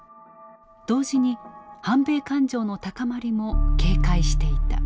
同時に反米感情の高まりも警戒していた。